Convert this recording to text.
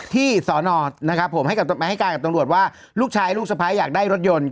ที่สนนะครับผมให้กับมาให้การกับตรงรวจว่าลูกชายลูกสไพร์อยากได้รถยนต์